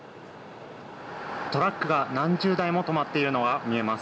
トラックが何十台も止まっているのが見えます。